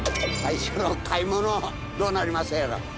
最初の買い物どうなりますやら。